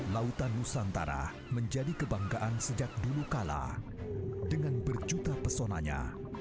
lautan nusantara menjadi kebanggaan sejak dulu kala dengan berjuta pesonanya